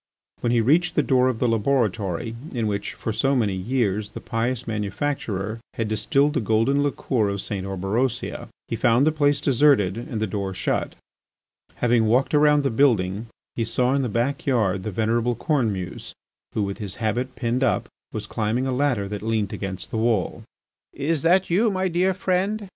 When he reached the door of the laboratory in which, for so many years, the pious manufacturer had distilled the golden liqueur of St. Orberosia, he found the place deserted and the door shut. Having walked around the building he saw in the backyard the venerable Cornemuse, who, with his habit pinned up, was climbing a ladder that leant against the wall. "Is that you, my dear friend?"